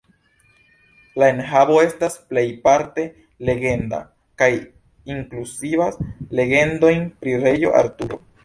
La enhavo estas plejparte legenda, kaj inkluzivas legendojn pri Reĝo Arturo.